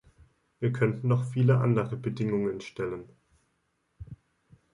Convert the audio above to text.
Wir könnten noch viele andere Bedingungen stellen.